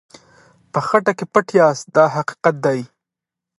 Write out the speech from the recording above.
په خټه کې پټ یاست دا حقیقت دی.